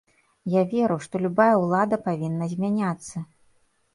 Я веру, што любая ўлада павінна змяняцца.